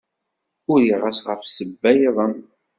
Uriɣ-as ɣef ssebba-iḍen.